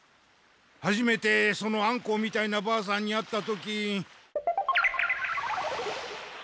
はじめてそのアンコウみたいなばあさんに会った時。